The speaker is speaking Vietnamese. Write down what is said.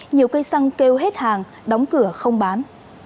nhiều cây xăng kêu hết hàng đóng cửa không bán